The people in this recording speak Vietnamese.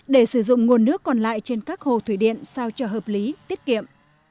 để sử dụng nguồn nước còn lại trên các hồ thủy điện sao cho hợp lý tiết kiệm